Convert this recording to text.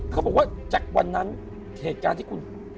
เขาบอกว่าจากวันนั้นเหตุการณ์ที่คุณ